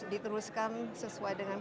diteruskan sesuai dengan